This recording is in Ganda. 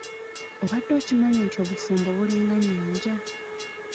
Obadde okimanyi nti obufumbo bulinga nnyanja?